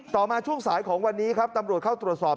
มาช่วงสายของวันนี้ครับตำรวจเข้าตรวจสอบ